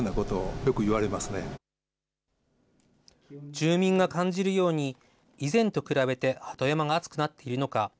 住民が感じるように、以前と比べて鳩山が暑くなっているのか。